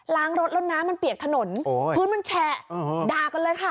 ล้างรถแล้วน้ำมันเปียกถนนพื้นมันแฉะด่ากันเลยค่ะ